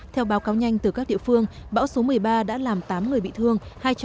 theo báo cáo nhanh từ các địa phương bão số một mươi ba đã làm tám người bị thương